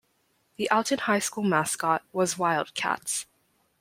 The Alton High School mascot was Wildcats.